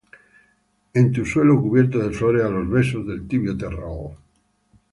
En tu suelo cubierto de flores A los besos del tibio terral,